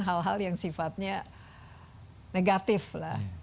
hal hal yang sifatnya negatif lah